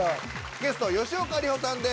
ゲスト吉岡里帆さんです。